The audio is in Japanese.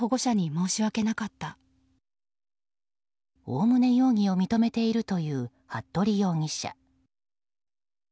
おおむね、容疑を認めているという服部容疑者。